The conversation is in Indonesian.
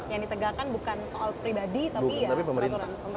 yang ditegakkan bukan soal pribadi tapi ya peraturan pemerintah